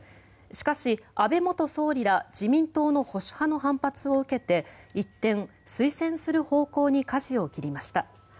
しかし、安倍元総理ら自民党の保守派の反発を受けて一転、推薦する方向にかじを切りました。